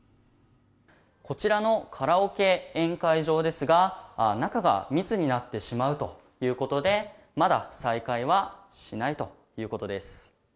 こちらのカラオケ宴会場ですが中が密になってしまうということでまだ再開はしないということです。